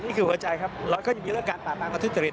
นี่คือหัวใจครับเราก็ยังมีเรื่องการปรากราคาทฤษฐฤทธิ์